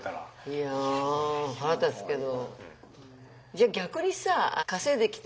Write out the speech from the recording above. いや腹立つけど。